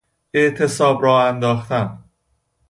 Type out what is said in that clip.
اعتصاب راه انداختن